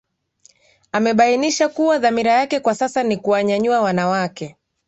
Amebainisha kuwa dhamira yake kwa sasa ni kuwanyanyua wanawake